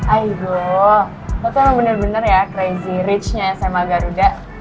aigoo lo tuh emang bener bener ya crazy richnya sma garuda